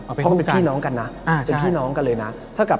เพราะมันเป็นพี่น้องกันนะเป็นพี่น้องกันเลยนะ